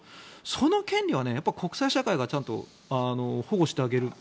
その権利は国際社会がちゃんと保護してあげる。